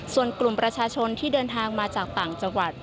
ส่วนกลุ่มประชาชนที่เดินทางมาจากต่างจังหวัด